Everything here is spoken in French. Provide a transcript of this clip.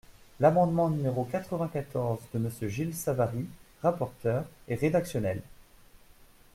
L’amendement numéro quatre-vingt-quatorze de Monsieur Gilles Savary, rapporteur, est rédactionnel.